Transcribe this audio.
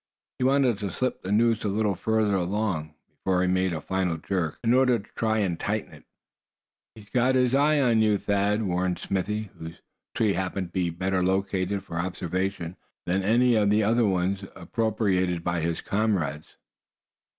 He wanted to slip the noose a little further along, before he made a final jerk, in order to try and tighten it. "He's got his eye on you, Thad!" warned Smithy, whose tree happened to be better located for observation than any of the other ones appropriated by his comrades.